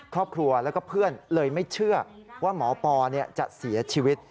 ครอบครัวแล้วก็เพื่อนเลยไม่เชื่อว่าหมอปอจะเสียชีวิต